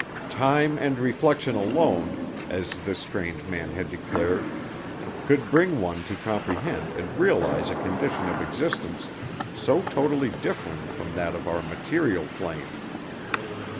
Time and reflection alone, as this strange man had declared, could bring one to comprehend and realize a condition of existence so totally differing from that of our material plane.